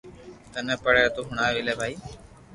ٿني پڙي تو ھڻَاوي لي ڀائي